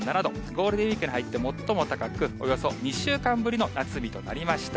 ゴールデンウィークに入って最も高く、およそ２週間ぶりの夏日となりました。